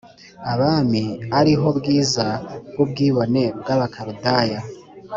abami ari ho bwiza bw ubwibone bw Abakaludaya